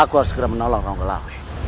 aku harus segera menolong ranggelawe